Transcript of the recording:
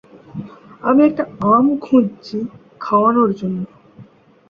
আমি একটা আম খুঁজছি খাওয়ার জন্য।